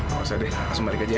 gak usah deh langsung balik aja ya